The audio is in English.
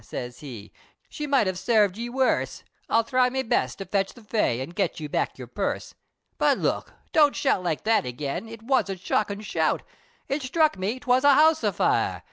siz he, "She might have sarved ye worse, I'll thry me best, to ketch the Fay, An' get you back yer purse. But look! don't shout like that again, It was a shockin' shout, It sthruck me, 'twas a house a fire!